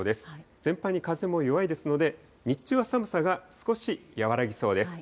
全般に風も弱いですので、日中は寒さが少し和らぎそうです。